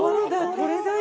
これだよ。